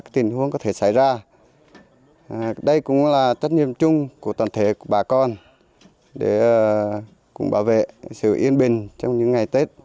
tình huống có thể xảy ra đây cũng là trách nhiệm chung của toàn thể của bà con để cùng bảo vệ sự yên bình trong những ngày tết